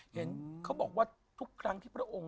เห็นเขาบอกว่าทุกครั้งที่พระองค์